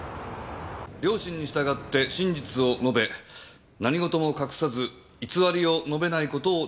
良心に従って真実を述べ何事も隠さず偽りを述べないことを誓います。